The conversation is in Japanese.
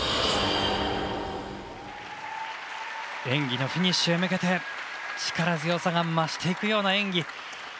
演技のフィニッシュへ向け力強さが増していくような演技。